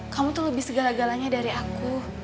kamu tuh lebih segala galanya dari aku